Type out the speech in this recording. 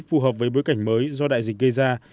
phù hợp với bối cảnh mới do đại dịch gây ra